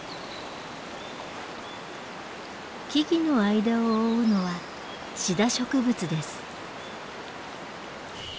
木々の間を覆うのはシダ植物です。